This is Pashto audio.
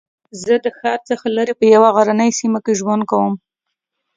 زه د ښار څخه لرې په یوه غرنۍ سېمه کې ژوند کوم